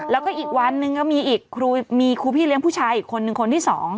แล้วก็อีกวันนึงก็มีอีกครูมีครูพี่เลี้ยงผู้ชายอีกคนนึงคนที่๒